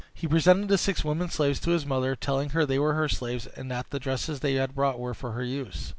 He presented the six women slaves to his mother, telling her they were her slaves, and that the dresses they had brought were for her use.